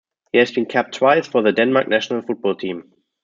He has been capped twice for the Denmark national football team.